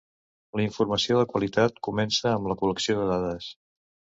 La informació de qualitat comença amb la col·lecció de dades.